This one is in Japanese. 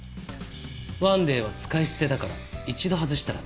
ワンデーは使い捨てだから一度外したら使えない。